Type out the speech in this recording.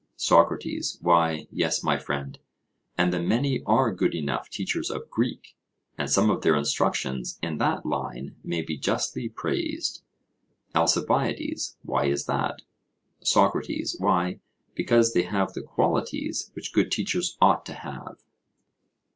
SOCRATES: Why, yes, my friend; and the many are good enough teachers of Greek, and some of their instructions in that line may be justly praised. ALCIBIADES: Why is that? SOCRATES: Why, because they have the qualities which good teachers ought to have.